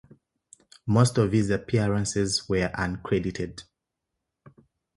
Many of his appearances were uncredited.